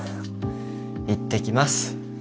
いってきます